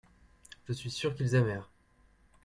je suis sûr qu'ils aimèrent.